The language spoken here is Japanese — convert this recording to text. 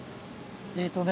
えーっとね。